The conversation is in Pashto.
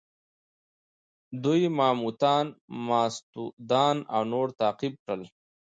دوی ماموتان، ماستودان او نور تعقیب کړل.